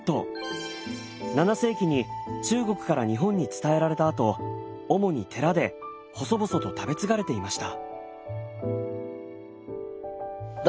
７世紀に中国から日本に伝えられたあと主に寺で細々と食べ継がれていました。